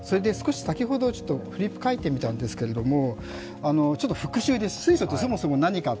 先ほど、フリップ描いてみたんですけどちょっと復習です、水素ってそもそも何か。